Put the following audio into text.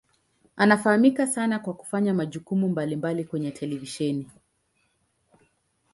Anafahamika sana kwa kufanya majukumu mbalimbali kwenye televisheni.